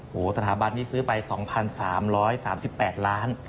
โอ้โหสถาบันนี้ซื้อไป๒๓๓๘ล้าน